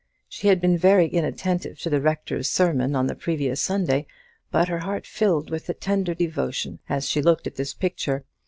She had been very inattentive to the Rector's sermon on the previous Sunday, but her heart filled with tender devotion as she looked at this picture.